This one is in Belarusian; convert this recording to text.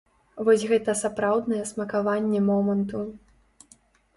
Вось гэта сапраўднае смакаванне моманту.